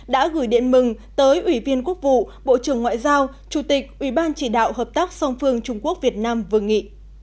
đã gửi điện mừng tới ủy viên quốc vụ bộ trưởng ngoại giao chủ tịch ủy ban chỉ đạo hợp tác song phương trung quốc việt nam vương nghị